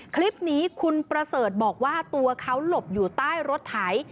คลิปนี้คุณประเสริฐบอกว่าตัวเขาหลบอยู่ใต้รถไถ